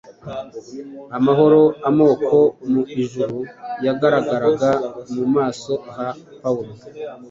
Amahoro akomoka mu ijuru yagaragaraga mu maso ha Pawulo